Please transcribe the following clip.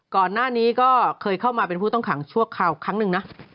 ก่อนหน้านี้ก็เคยเข้ามาเป็นผู้ต้องขังชั่วคราวครั้งหนึ่งนะ